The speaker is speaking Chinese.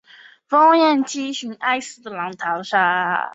她是帝喾长子帝挚的母亲。